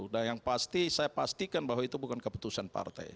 dan yang pasti saya pastikan bahwa itu bukan keputusan partai